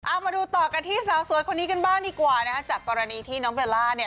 เอามาดูต่อกันที่สาวสวยคนนี้กันบ้างดีกว่านะคะจากกรณีที่น้องเบลล่าเนี่ย